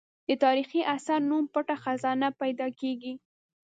د تاریخي اثر نوم پټه خزانه پیدا کېږي.